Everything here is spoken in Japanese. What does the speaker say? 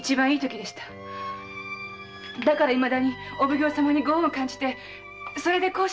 だから未だにお奉行様にご恩を感じてそれでこうして！